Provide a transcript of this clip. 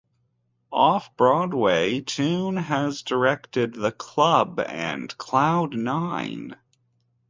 Off-Broadway, Tune has directed "The Club" and "Cloud Nine".